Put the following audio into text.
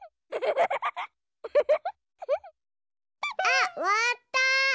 あっわらった！